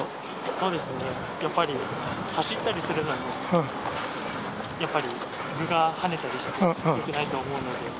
そうですね、やっぱり走ったりするのは、やっぱり具がはねたりしてよくないと思うので。